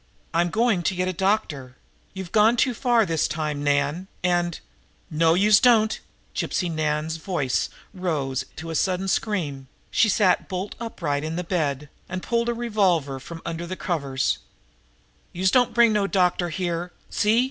"I'm going to get a doctor. You've gone too far this time, Nan, and " "No, youse don't!" Gypsy Nan's voice rose in a sudden scream. She sat bolt upright in bed, and pulled a revolver out from under the coverings. "Youse don't bring no doctor here! See!